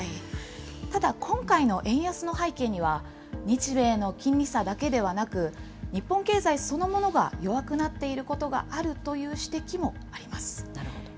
ただ、今回の円安の背景には、日米の金利差だけではなく、日本経済そのものが弱くなっていることがあるという指摘もありまなるほど。